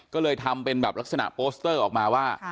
ก็เลยทำเป็นแบบลักษณะโปสเตอร์ออกมาว่า